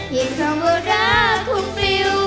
เห็นคำว่ารักคุณปริว